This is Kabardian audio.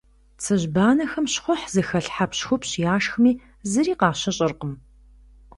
Цыжьбанэхэм щхъухь зыхэлъ хьэпщхупщ яшхми, зыри къащыщӏыркъым.